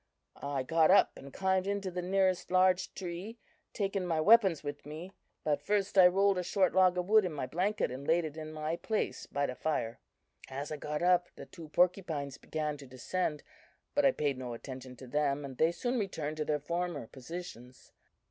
"I got up and climbed into the nearest large tree, taking my weapons with me; but first I rolled a short log of wood in my blanket and laid it in my place by the fire. "As I got up, the two porcupines began to descend, but I paid no attention to them, and they soon returned to their former positions.